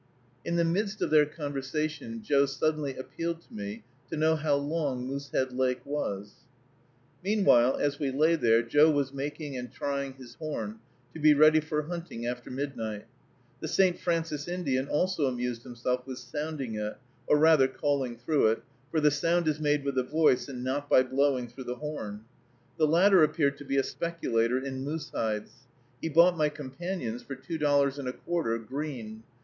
In the midst of their conversation, Joe suddenly appealed to me to know how long Moosehead Lake was. Meanwhile, as we lay there, Joe was making and trying his horn, to be ready for hunting after midnight. The St. Francis Indian also amused himself with sounding it, or rather calling through it; for the sound is made with the voice, and not by blowing through the horn. The latter appeared to be a speculator in moose hides. He bought my companion's for two dollars and a quarter, green.